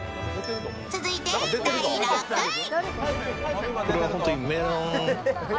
続いて第６位。